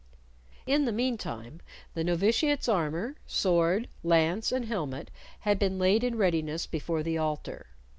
In the mean time the novitiate's armor, sword, lance, and helmet had been laid in readiness before the altar.